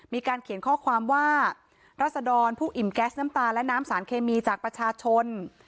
มีการเขียนข้อความว่ารัศดรผู้อิ่มแก๊สน้ำตาและน้ำสารเคมีจากประชาชน